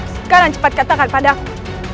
sekarang cepat katakan padaku